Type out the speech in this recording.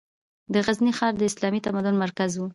د غزني ښار د اسلامي تمدن مرکز و.